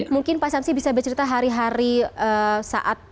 mungkin pak syamsi bisa bercerita hari hari saat